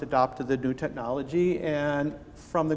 para pekerja mengadopsi teknologi baru